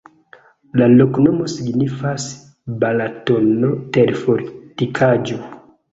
La loknomo signifas: Balatono-terfortikaĵo.